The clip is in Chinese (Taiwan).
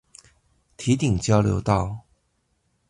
堤頂交流道